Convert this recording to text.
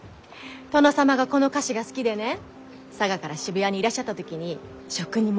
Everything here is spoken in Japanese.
殿様がこの菓子が好きでね佐賀から渋谷にいらっしゃった時に職人も連れてきたって。